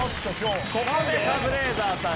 ここでカズレーザーさん